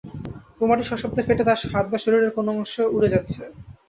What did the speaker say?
বোমাটি সশব্দে ফেটে তার হাত বা শরীরের কোনো অংশ উড়ে যাচ্ছে।